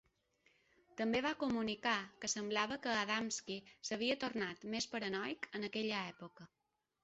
També va comunicar que semblava que Adamski s'havia tornat més paranoic en aquella època.